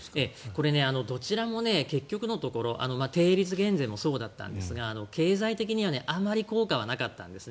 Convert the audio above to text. これ、どちらも結局のところ定率減税もそうだったんですが経済的にはあまり効果はなかったんです。